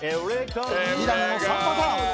２段を３パターン。